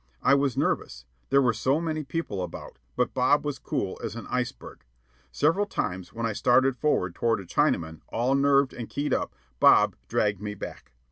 I was nervous there were so many people about; but Bob was cool as an iceberg. Several times, when I started forward toward a Chinaman, all nerved and keyed up, Bob dragged me back.